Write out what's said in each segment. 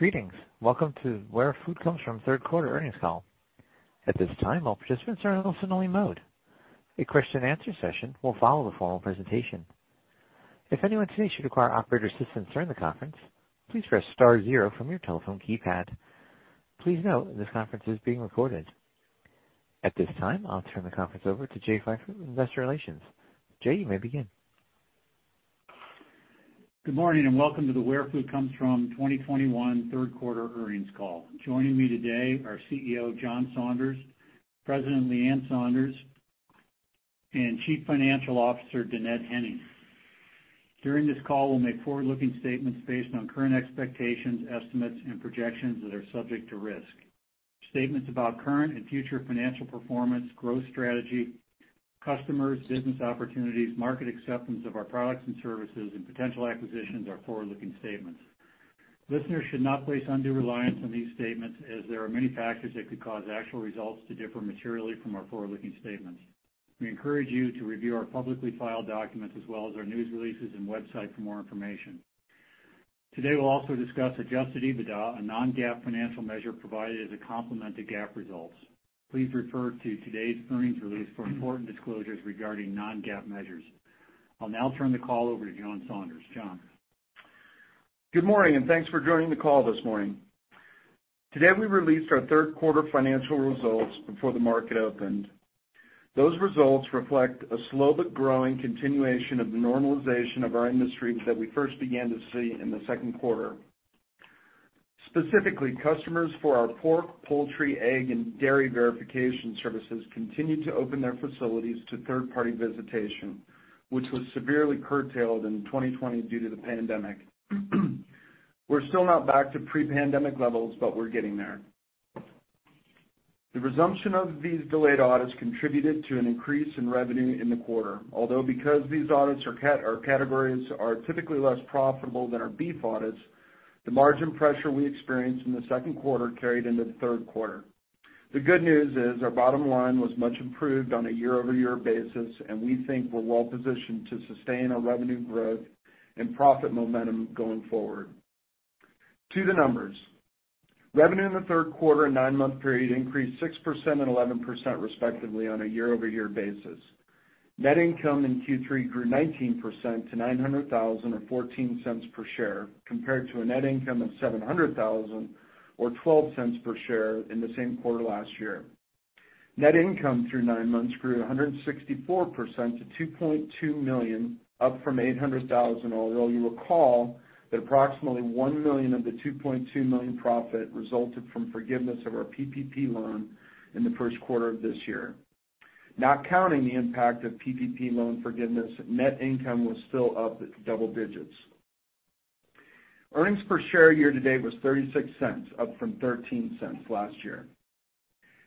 Greetings. Welcome to Where Food Comes From third quarter earnings call. At this time, all participants are in listen-only mode. A question-and-answer session will follow the formal presentation. If anyone today should require operator assistance during the conference, please press star zero from your telephone keypad. Please note this conference is being recorded. At this time, I'll turn the conference over to Jay Pfeiffer from Investor Relations. Jay, you may begin. Good morning, and welcome to the Where Food Comes From 2021 third quarter earnings call. Joining me today are CEO John Saunders, President Leann Saunders, and Chief Financial Officer Dannette Henning. During this call, we'll make forward-looking statements based on current expectations, estimates, and projections that are subject to risk. Statements about current and future financial performance, growth strategy, customers, business opportunities, market acceptance of our products and services, and potential acquisitions are forward-looking statements. Listeners should not place undue reliance on these statements as there are many factors that could cause actual results to differ materially from our forward-looking statements. We encourage you to review our publicly filed documents as well as our news releases and website for more information. Today, we'll also discuss adjusted EBITDA, a non-GAAP financial measure provided as a complement to GAAP results. Please refer to today's earnings release for important disclosures regarding non-GAAP measures. I'll now turn the call over to John Saunders. John. Good morning, and thanks for joining the call this morning. Today, we released our third quarter financial results before the market opened. Those results reflect a slow but growing continuation of the normalization of our industries that we first began to see in the second quarter. Specifically, customers for our pork, poultry, egg, and dairy verification services continued to open their facilities to third-party visitation, which was severely curtailed in 2020 due to the pandemic. We're still not back to pre-pandemic levels, but we're getting there. The resumption of these delayed audits contributed to an increase in revenue in the quarter. Although because these audits are categories are typically less profitable than our beef audits, the margin pressure we experienced in the second quarter carried into the third quarter. The good news is our bottom line was much improved on a year-over-year basis, and we think we're well-positioned to sustain our revenue growth and profit momentum going forward. To the numbers. Revenue in the third quarter and nine-month period increased 6% and 11%, respectively, on a year-over-year basis. Net income in Q3 grew 19% to $900,000 or $0.14 per share, compared to a net income of $700,000 or $0.12 per share in the same quarter last year. Net income through nine months grew 164% to $2.2 million, up from $800,000, although you'll recall that approximately $1 million of the $2.2 million profit resulted from forgiveness of our PPP loan in the first quarter of this year. Not counting the impact of PPP loan forgiveness, net income was still up double digits. Earnings per share year-to-date was $0.36, up from $0.13 last year.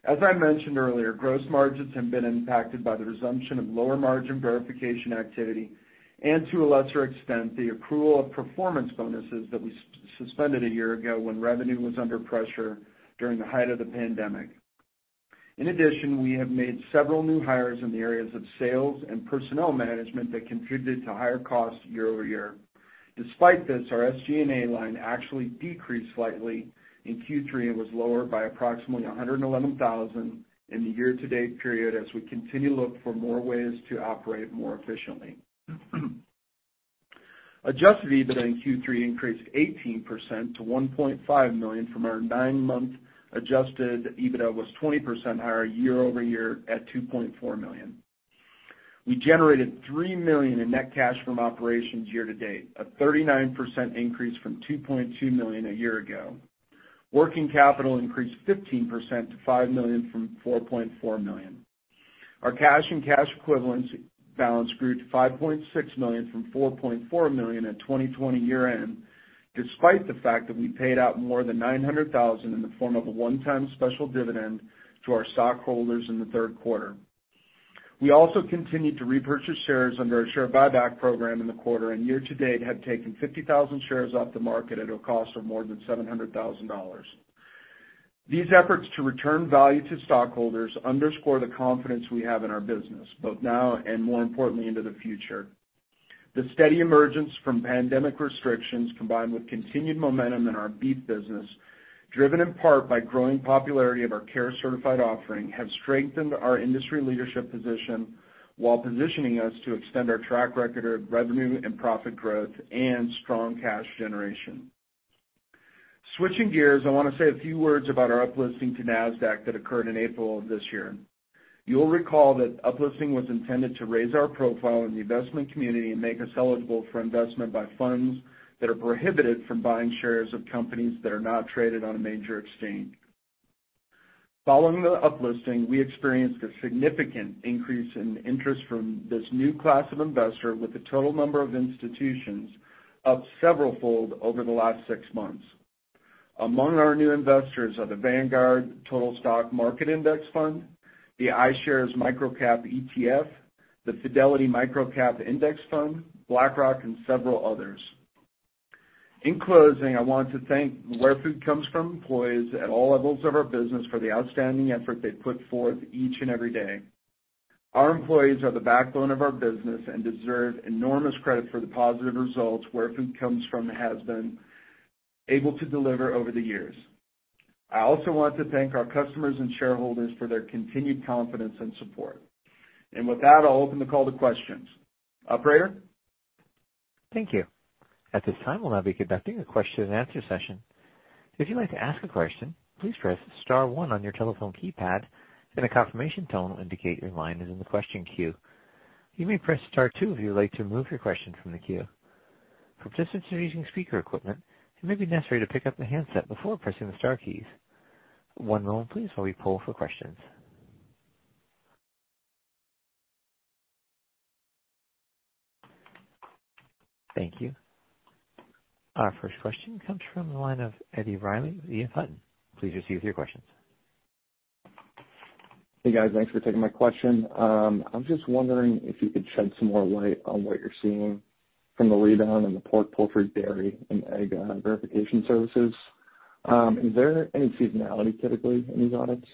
As I mentioned earlier, gross margins have been impacted by the resumption of lower-margin verification activity and, to a lesser extent, the accrual of performance bonuses that we suspended a year ago when revenue was under pressure during the height of the pandemic. In addition, we have made several new hires in the areas of sales and personnel management that contributed to higher costs year-over-year. Despite this, our SG&A line actually decreased slightly. In Q3, it was lower by approximately $111,000 in the year-to-date period as we continue to look for more ways to operate more efficiently. Adjusted EBITDA in Q3 increased 18% to $1.5 million. Our nine-month adjusted EBITDA was 20% higher year-over-year at $2.4 million. We generated $3 million in net cash from operations year-to-date, a 39% increase from $2.2 million a year ago. Working capital increased 15% to $5 million from $4.4 million. Our cash and cash equivalents balance grew to $5.6 million from $4.4 million at 2020 year-end, despite the fact that we paid out more than $900,000 in the form of a one-time special dividend to our stockholders in the third quarter. We also continued to repurchase shares under our share buyback program in the quarter and year-to-date have taken 50,000 shares off the market at a cost of more than $700,000. These efforts to return value to stockholders underscore the confidence we have in our business, both now and, more importantly, into the future. The steady emergence from pandemic restrictions, combined with continued momentum in our beef business, driven in part by growing popularity of our CARE Certified offering, have strengthened our industry leadership position while positioning us to extend our track record of revenue and profit growth and strong cash generation. Switching gears, I wanna say a few words about our uplisting to Nasdaq that occurred in April of this year. You'll recall that uplisting was intended to raise our profile in the investment community and make us eligible for investment by funds that are prohibited from buying shares of companies that are not traded on a major exchange. Following the uplisting, we experienced a significant increase in interest from this new class of investor, with the total number of institutions up severalfold over the last six months. Among our new investors are the Vanguard Total Stock Market Index Fund, the iShares Micro-Cap ETF, the Fidelity Micro-Cap Index Fund, BlackRock, and several others. In closing, I want to thank Where Food Comes From employees at all levels of our business for the outstanding effort they put forth each and every day. Our employees are the backbone of our business and deserve enormous credit for the positive results Where Food Comes From has been able to deliver over the years. I also want to thank our customers and shareholders for their continued confidence and support. With that, I'll open the call to questions. Operator? Thank you. At this time, we'll now be conducting a question-and-answer session. If you'd like to ask a question, please press star one on your telephone keypad, and a confirmation tone will indicate your line is in the question queue. You may press star two if you would like to remove your question from the queue. For participants who are using speaker equipment, it may be necessary to pick up the handset before pressing the star keys. One moment please while we poll for questions. Thank you. Our first question comes from the line of Eddie Reilly with EF Hutton. Please proceed with your questions. Hey, guys. Thanks for taking my question. I was just wondering if you could shed some more light on what you're seeing from the rebound in the pork, poultry, dairy, and egg verification services. Is there any seasonality typically in these audits?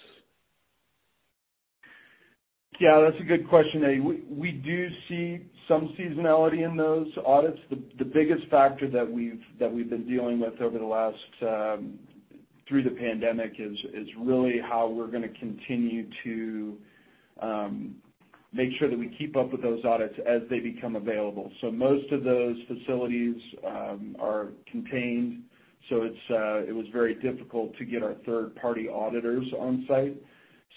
Yeah, that's a good question, Eddie. We do see some seasonality in those audits. The biggest factor that we've been dealing with over the last through the pandemic is really how we're gonna continue to make sure that we keep up with those audits as they become available. Most of those facilities are contained, so it was very difficult to get our third-party auditors on site.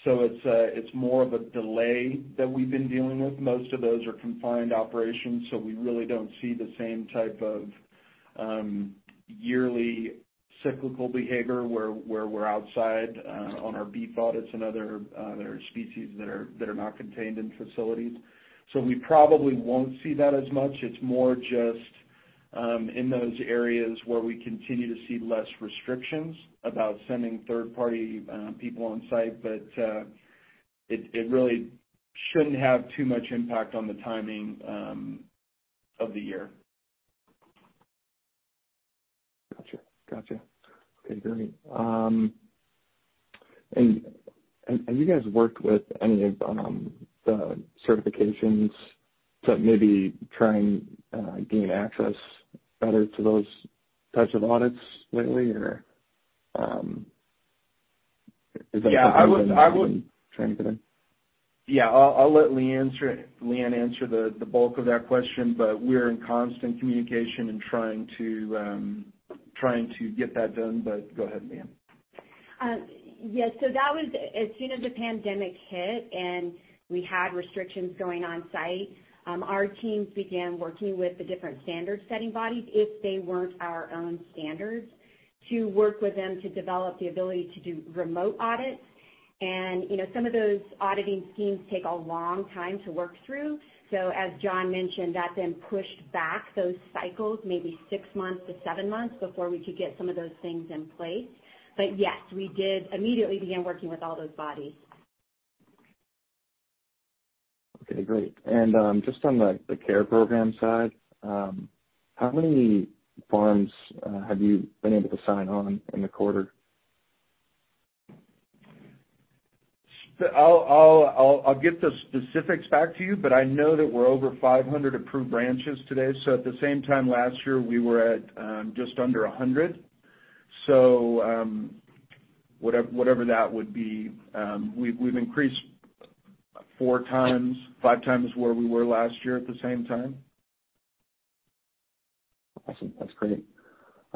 It's more of a delay that we've been dealing with. Most of those are confined operations, so we really don't see the same type of yearly cyclical behavior where we're outside on our beef audits and other species that are not contained in facilities. We probably won't see that as much. It's more just in those areas where we continue to see less restrictions about sending third-party people on site. It really shouldn't have too much impact on the timing of the year. Gotcha. Okay, great. Have you guys worked with any of the certifications to maybe try and gain access better to those types of audits lately? Is that something trying to get? Yeah, I'll let Leanne answer the bulk of that question, but we're in constant communication and trying to get that done. Go ahead, Leanne. Yes, so that was as soon as the pandemic hit and we had restrictions going on-site, our teams began working with the different standard-setting bodies, if they weren't our own standards, to work with them to develop the ability to do remote audits. You know, some of those auditing schemes take a long time to work through. As John mentioned, that then pushed back those cycles maybe six-seven months before we could get some of those things in place. Yes, we did immediately begin working with all those bodies. Okay, great. Just on the CARE program side, how many farms have you been able to sign on in the quarter? I'll get the specifics back to you, but I know that we're over 500 approved ranches today. At the same time last year, we were at just under 100. Whatever that would be, we've increased four times, five times where we were last year at the same time. Awesome. That's great.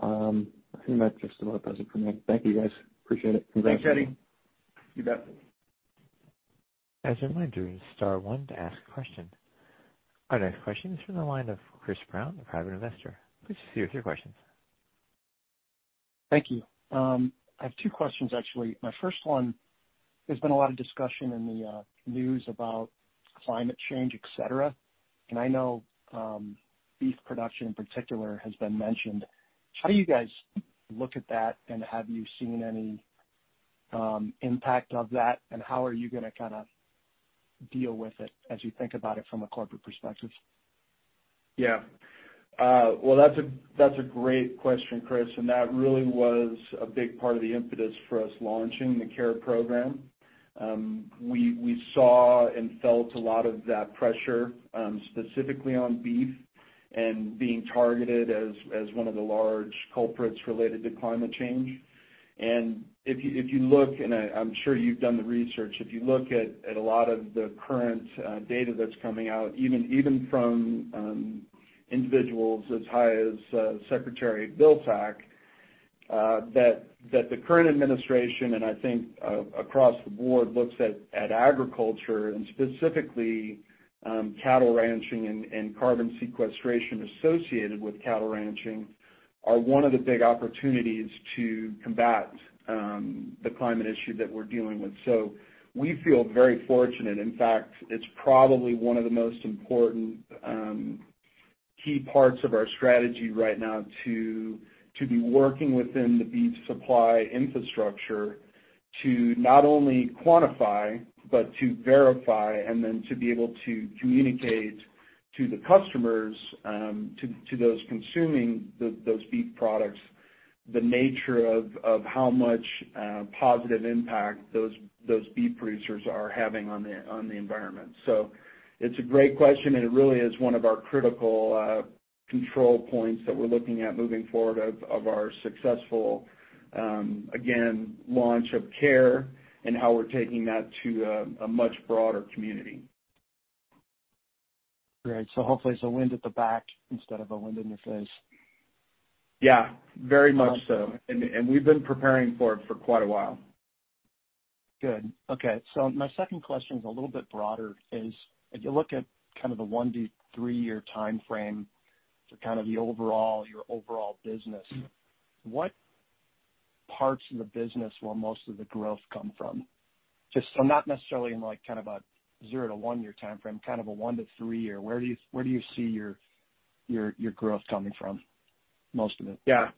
I think that just about does it for me. Thank you, guys. Appreciate it. Thanks, Eddie. You bet. As a reminder, star one to ask a question. Our next question is from the line of Chris Brown, a Private Investor. Please proceed with your questions. Thank you. I have two questions actually. My first one, there's been a lot of discussion in the news about climate change, et cetera, and I know, beef production in particular has been mentioned. How do you guys look at that, and have you seen any impact of that? How are you gonna kinda deal with it as you think about it from a corporate perspective? Well, that's a great question, Chris, and that really was a big part of the impetus for us launching the CARE program. We saw and felt a lot of that pressure, specifically on beef and being targeted as one of the large culprits related to climate change. If you look, and I'm sure you've done the research, if you look at a lot of the current data that's coming out, even from individuals as high as Secretary Vilsack, that the current administration, and I think across the board, looks at agriculture and specifically cattle ranching and carbon sequestration associated with cattle ranching, are one of the big opportunities to combat the climate issue that we're dealing with. We feel very fortunate. In fact, it's probably one of the most important key parts of our strategy right now to be working within the beef supply infrastructure, to not only quantify, but to verify and then to be able to communicate to the customers, to those consuming those beef products. The nature of how much positive impact those beef producers are having on the environment. It's a great question, and it really is one of our critical control points that we're looking at moving forward of our successful, again, launch of CARE and how we're taking that to a much broader community. Great. Hopefully it's a wind at the back instead of a wind in the face. Yeah, very much so. We've been preparing for it for quite a while. Good. Okay. My second question is a little bit broader, is if you look at kind of the one to three year timeframe for kind of the overall, your overall business. Mm-hmm. What parts of the business will most of the growth come from? Just so not necessarily in like kind of a zero-one year timeframe, kind of a one to three year. Where do you see your growth coming from, most of it? Yeah.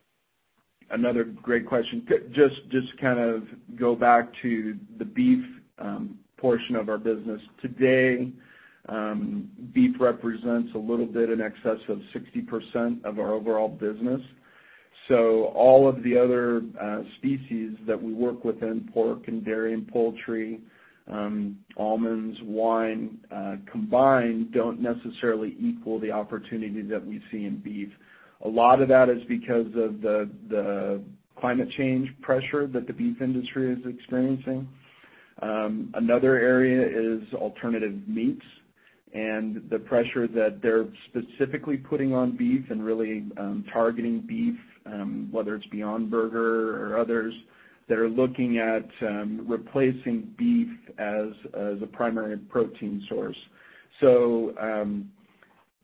Another great question. Just to kind of go back to the beef portion of our business. Today, beef represents a little bit in excess of 60% of our overall business. All of the other species that we work with in pork and dairy and poultry, almonds, wine, combined, don't necessarily equal the opportunity that we see in beef. A lot of that is because of the climate change pressure that the beef industry is experiencing. Another area is alternative meats and the pressure that they're specifically putting on beef and really targeting beef, whether it's Beyond Burger or others that are looking at replacing beef as a primary protein source.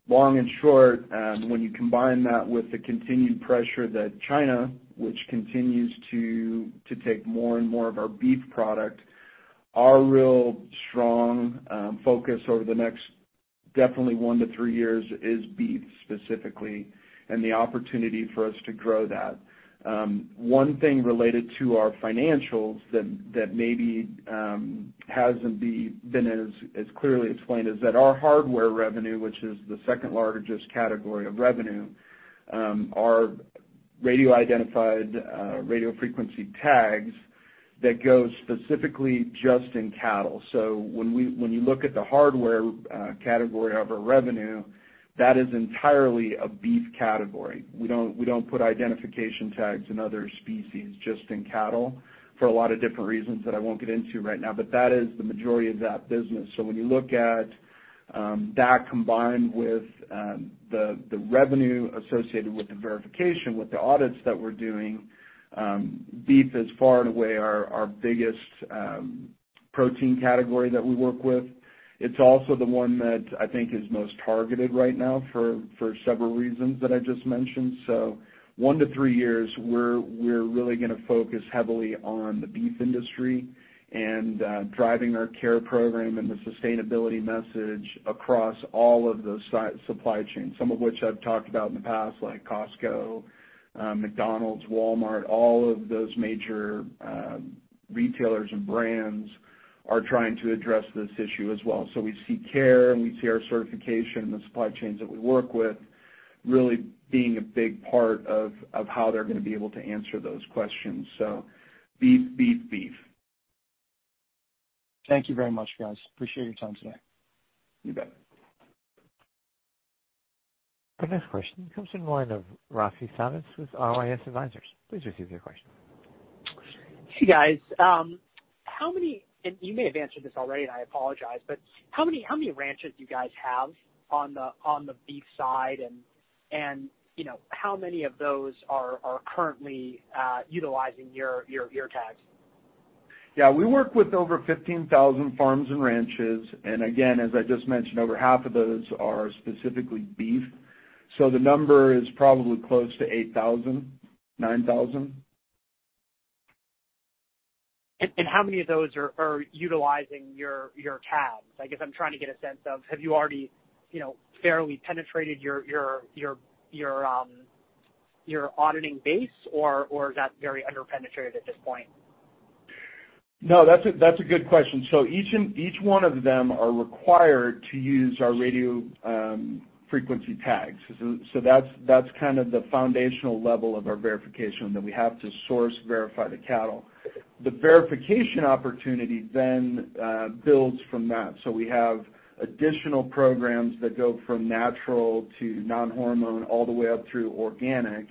Long and short, when you combine that with the continued pressure that China, which continues to take more and more of our beef product, our real strong focus over the next definitely one to three years is beef specifically and the opportunity for us to grow that. One thing related to our financials that maybe hasn't been as clearly explained is that our hardware revenue, which is the second largest category of revenue, are radio frequency identification tags that goes specifically just in cattle. When you look at the hardware category of our revenue, that is entirely a beef category. We don't put identification tags in other species, just in cattle for a lot of different reasons that I won't get into right now. That is the majority of that business. When you look at that combined with the revenue associated with the verification, with the audits that we're doing, beef is far and away our biggest protein category that we work with. It's also the one that I think is most targeted right now for several reasons that I just mentioned. One to three years, we're really gonna focus heavily on the beef industry and driving our CARE program and the sustainability message across all of those supply chains, some of which I've talked about in the past, like Costco, McDonald's, Walmart. All of those major retailers and brands are trying to address this issue as well. We see CARE, and we see our certification and the supply chains that we work with really being a big part of how they're gonna be able to answer those questions. So, Beef. Beef. Beef. Thank you very much, guys. Appreciate your time today. You bet. Our next question comes in line of Raphi Savitz with RYS Advisors. Please proceed with your question. Hey, guys. You may have answered this already, and I apologize, but how many ranches do you guys have on the beef side? You know, how many of those are currently utilizing your ear tags? Yeah, we work with over 15,000 farms and ranches, and again, as I just mentioned, over half of those are specifically beef, so the number is probably close to 8,000, 9,000. How many of those are utilizing your tags? I guess I'm trying to get a sense of, have you already, you know, fairly penetrated your auditing base or is that very under-penetrated at this point? No, that's a good question. Each one of them are required to use our radio frequency tags. That's kind of the foundational level of our verification that we have to source verify the cattle. The verification opportunity then builds from that. We have additional programs that go from natural to non-hormone all the way up through organic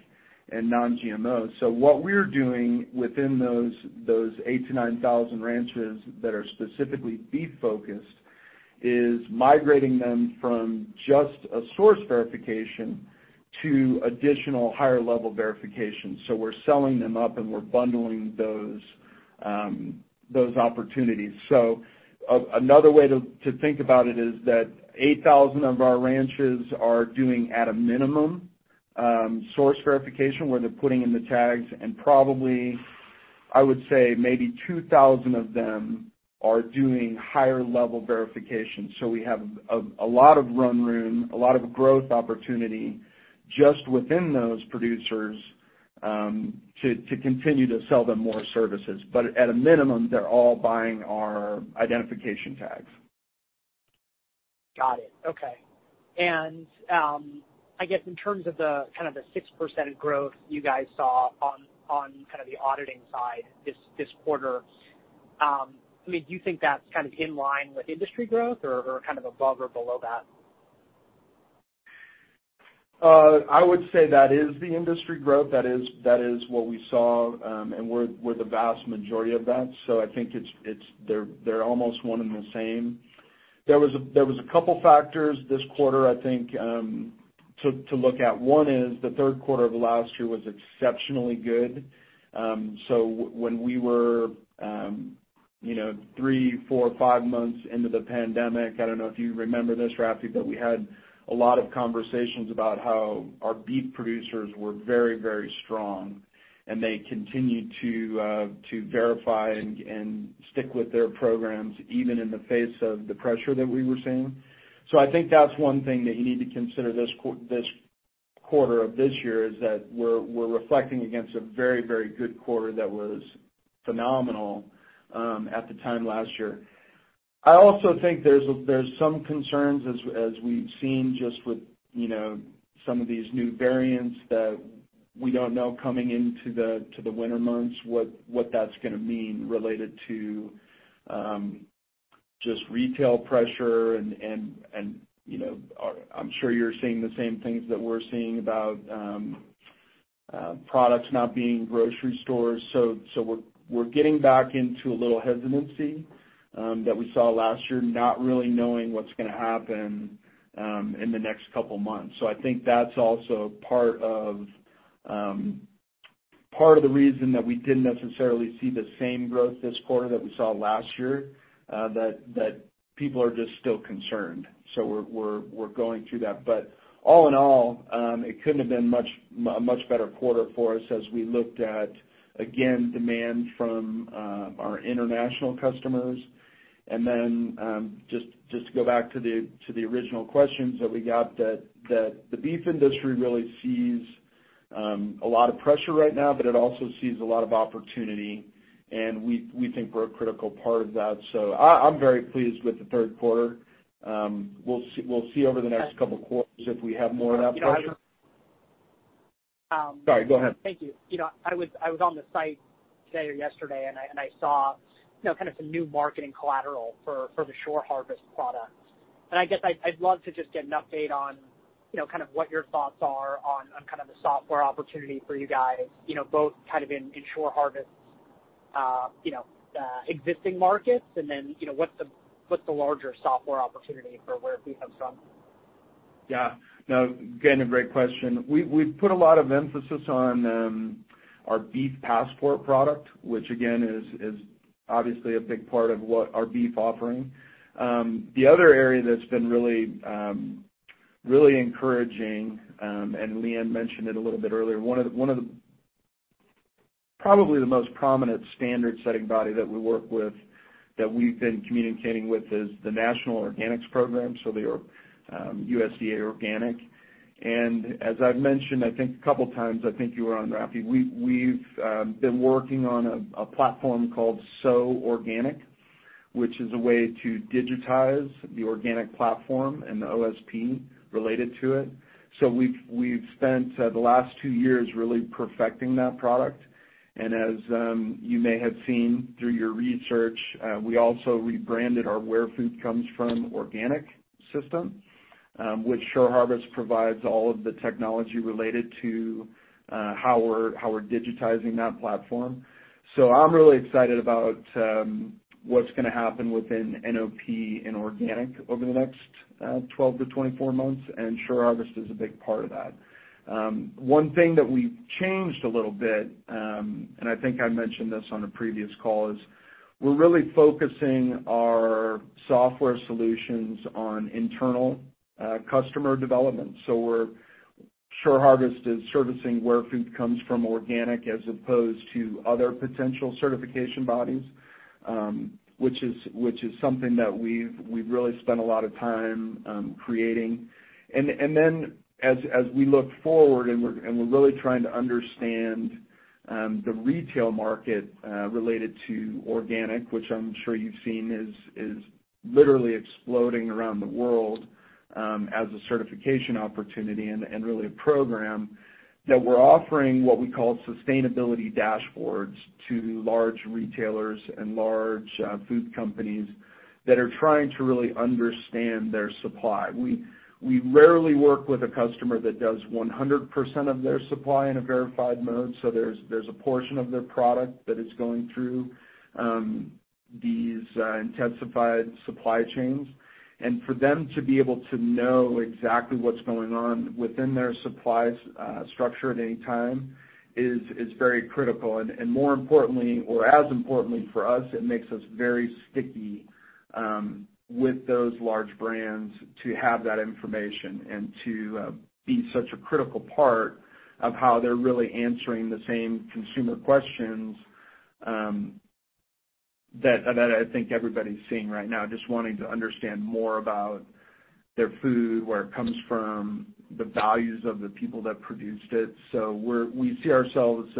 and non-GMOs. What we're doing within those 8,000-9,000 ranches that are specifically beef-focused is migrating them from just a source verification to additional higher level verification. We're selling them up, and we're bundling those opportunities. Another way to think about it is that 8,000 of our ranches are doing, at a minimum, source verification, where they're putting in the tags, and probably, I would say maybe 2,000 of them are doing higher level verification. We have a lot of run room, a lot of growth opportunity just within those producers, to continue to sell them more services. But at a minimum, they're all buying our identification tags. Got it. Okay. I guess in terms of the kind of 6% growth you guys saw on kind of the auditing side this quarter, I mean, do you think that's kind of in line with industry growth or kind of above or below that? I would say that is the industry growth. That is what we saw, and we're the vast majority of that. I think it's they're almost one and the same. There was a couple factors this quarter, I think, to look at. One is the third quarter of last year was exceptionally good. When we were, you know, three, four, five months into the pandemic, I don't know if you remember this, Raphi, but we had a lot of conversations about how our beef producers were very strong, and they continued to verify and stick with their programs even in the face of the pressure that we were seeing. I think that's one thing that you need to consider this quarter of this year is that we're reflecting against a very good quarter that was phenomenal at the time last year. I also think there's some concerns as we've seen just with you know some of these new variants that we don't know coming into the winter months what that's gonna mean related to just retail pressure and you know I'm sure you're seeing the same things that we're seeing about products not being in grocery stores. We're getting back into a little hesitancy that we saw last year not really knowing what's gonna happen in the next couple months. I think that's also part of the reason that we didn't necessarily see the same growth this quarter that we saw last year, that people are just still concerned. We're going through that. All in all, it couldn't have been a much better quarter for us as we looked at, again, demand from our international customers. Then, just to go back to the original questions that we got, that the beef industry really sees a lot of pressure right now, but it also sees a lot of opportunity, and we think we're a critical part of that. I'm very pleased with the third quarter. We'll see over the next couple quarters if we have more of that growth. Sorry, go ahead. Thank you. You know, I was on the site today or yesterday, and I saw, you know, kind of some new marketing collateral for the SureHarvest products. I guess I'd love to just get an update on, you know, kind of what your thoughts are on kind of the software opportunity for you guys, you know, both kind of in SureHarvest existing markets, and then, you know, what's the larger software opportunity for Where Food Comes From? Yeah. No, again, a great question. We've put a lot of emphasis on our Beef Passport product, which again is obviously a big part of what our beef offering. The other area that's been really encouraging, and Leanne mentioned it a little bit earlier, one of the most prominent standard-setting body that we work with that we've been communicating with is the National Organic Program, so the USDA Organic. As I've mentioned, I think a couple times, I think you were on, Raphi, we've been working on a platform called So Organic, which is a way to digitize the organic platform and the OSP related to it. We've spent the last two years really perfecting that product. As you may have seen through your research, we also rebranded our Where Food Comes From Organic system, which SureHarvest provides all of the technology related to, how we're digitizing that platform. I'm really excited about what's gonna happen within NOP and organic over the next 12-24 months, and SureHarvest is a big part of that. One thing that we've changed a little bit, and I think I mentioned this on a previous call, is we're really focusing our software solutions on internal customer development. We're SureHarvest is servicing Where Food Comes From Organic as opposed to other potential certification bodies, which is something that we've really spent a lot of time creating. Then as we look forward and we're really trying to understand the retail market related to organic, which I'm sure you've seen is literally exploding around the world, as a certification opportunity and really a program that we're offering what we call sustainability dashboards to large retailers and large food companies that are trying to really understand their supply. We rarely work with a customer that does 100% of their supply in a verified mode, so there's a portion of their product that is going through these intensified supply chains. For them to be able to know exactly what's going on within their supply structure at any time is very critical. More importantly, or as importantly for us, it makes us very sticky with those large brands to have that information and to be such a critical part of how they're really answering the same consumer questions that I think everybody's seeing right now, just wanting to understand more about their food, where it comes from, the values of the people that produced it. We see ourselves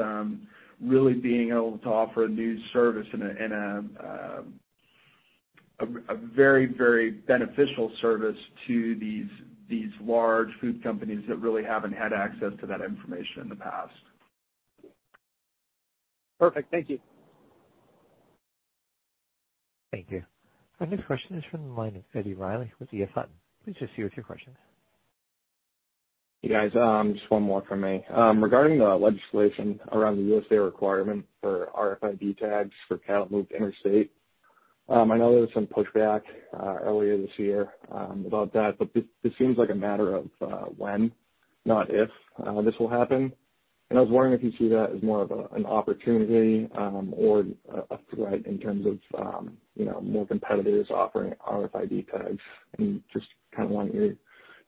really being able to offer a new service in a very, very beneficial service to these large food companies that really haven't had access to that information in the past. Perfect. Thank you. Thank you. Our next question is from the line of Eddie Reilly with EF Hutton. Please go ahead with your questions. Hey, guys. Just one more from me. Regarding the legislation around the USDA requirement for RFID tags for cattle moved interstate, I know there was some pushback earlier this year about that, but this seems like a matter of when, not if, this will happen. I was wondering if you see that as more of an opportunity or a threat in terms of you know, more competitors offering RFID tags, and I just kinda want your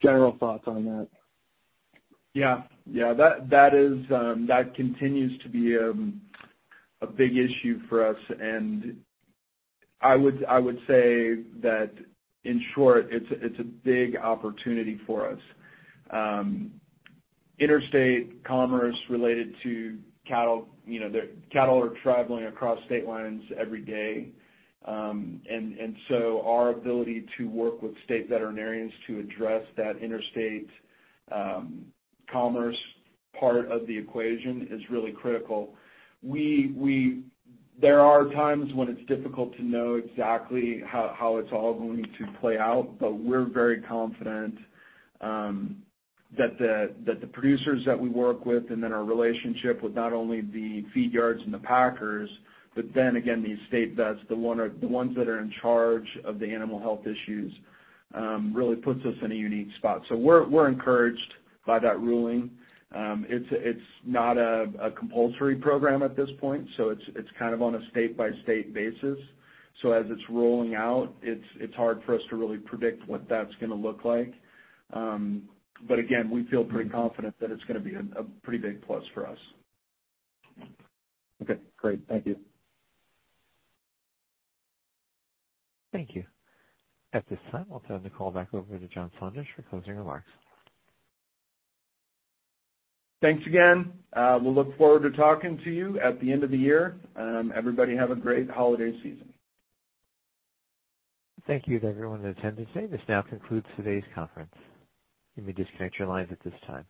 general thoughts on that. Yeah. That continues to be a big issue for us. I would say that in short, it's a big opportunity for us. Interstate commerce related to cattle, you know, the cattle are traveling across state lines every day. Our ability to work with state veterinarians to address that interstate commerce part of the equation is really critical. There are times when it's difficult to know exactly how it's all going to play out, but we're very confident that the producers that we work with and then our relationship with not only the feed yards and the packers, but then again, the state vets, the ones that are in charge of the animal health issues really puts us in a unique spot. We're encouraged by that ruling. It's not a compulsory program at this point, so it's kind of on a state-by-state basis. As it's rolling out, it's hard for us to really predict what that's gonna look like. Again, we feel pretty confident that it's gonna be a pretty big plus for us. Okay, great. Thank you. Thank you. At this time, I'll turn the call back over to John Saunders for closing remarks. Thanks again. We'll look forward to talking to you at the end of the year. Everybody, have a great holiday season. Thank you to everyone in attendance today. This now concludes today's conference. You may disconnect your lines at this time.